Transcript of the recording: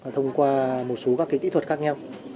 thông qua một số các kỹ thuật khác nhau